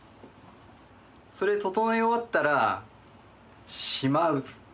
それで整え終わったらしまう。